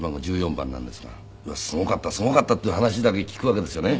すごかったすごかったっていう話だけ聞くわけですよね。